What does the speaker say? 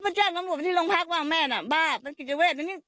มันแจ้งน้ำบวกที่ลงพักว่าแม่น่ะบ้ามันกิจเวช